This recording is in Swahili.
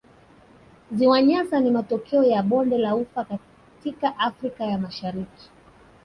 Ziwa Nyasa ni matokeo ya bonde la ufa katika Afrika ya Mashariki